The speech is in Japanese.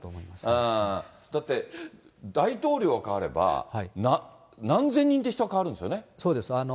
だって、大統領が代われば、何千人って人、そうです。